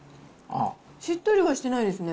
しっとりはしてないですね。